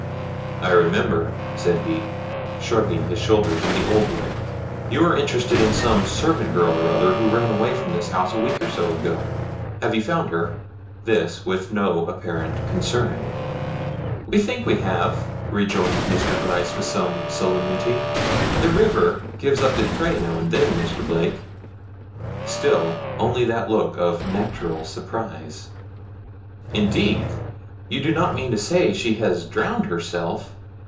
"I remember," said he, shrugging his shoulders in the old way. "You are interested in some servant girl or other who ran away from this house a week or so ago. Have you found her?" This with no apparent concern. "We think we have," rejoined Mr. Gryce with some solemnity. "The river gives up its prey now and then, Mr. Blake." Still only that look of natural surprise. "Indeed! You do not mean to say she has drowned herself?